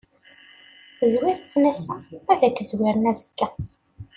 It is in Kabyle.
Zzwir-iten ass-a, ad k-zwiren azekka.